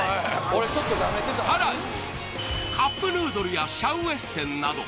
カップヌードルやシャウエッセンなど